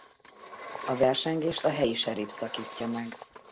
A versengést a helyi seriff szakítja meg.